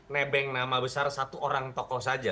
nebeng nama besar satu orang tokoh saja